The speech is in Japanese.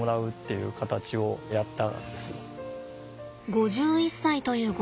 ５１歳というご